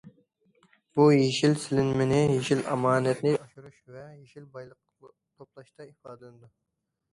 بۇ يېشىل سېلىنمىنى، يېشىل ئامانەتنى ئاشۇرۇش ۋە يېشىل بايلىق توپلاشتا ئىپادىلىنىدۇ.